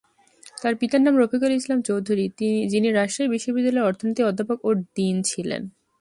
তার পিতার নাম রফিকুল ইসলাম চৌধুরী, যিনি রাজশাহী বিশ্ববিদ্যালয়ে অর্থনীতির অধ্যাপক ও ডীন ছিলেন।